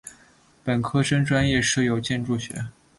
本科生专业设有建筑学。